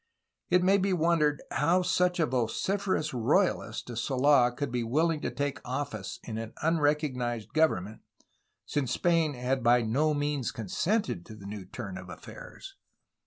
It may be wondered how such a vociferous royalist as Sold could be wilhng to take office in an unrecog nized government, since Spain had by no means consented to the new turn of affairs.